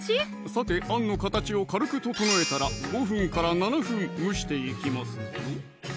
さてあんの形を軽く整えたら５分７分蒸していきますぞ